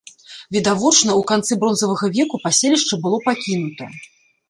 Відавочна, у канцы бронзавага веку паселішча было пакінута.